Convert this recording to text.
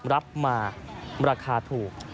รับมาราคาถูก